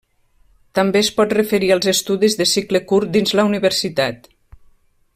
També es pot referir als estudis de cicle curt dins la universitat.